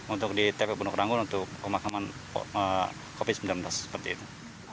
untuk di tpu pondok ranggun untuk pemakaman covid sembilan belas seperti itu